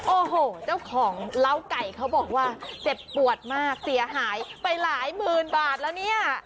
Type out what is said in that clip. โอ้โหเจ้าของเล้าไก่เขาบอกว่าเจ็บปวดมากเสียหายไปหลายหมื่นบาทแล้วเนี่ย